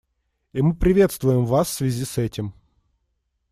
И мы приветствуем вас в связи с этим.